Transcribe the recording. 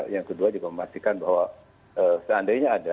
yang kedua juga memastikan bahwa seandainya ada